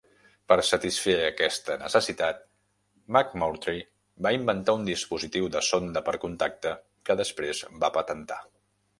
Per satisfer aquesta necessitat, McMurtry va inventar un dispositiu de sonda per contacte, que després va patentar.